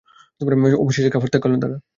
অবশেষে খাবার ত্যাগ করলেন।